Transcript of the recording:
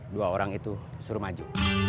dua orang itu suruh maju